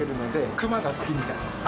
熊が好きみたいですね。